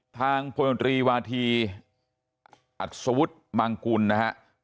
ทางพลังตรีวาธีอัตสวุฆิ์มังกุลนะครับ